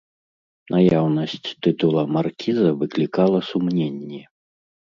Наяўнасць тытула маркіза выклікала сумненні.